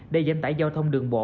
để giành tải giao thông đường bộ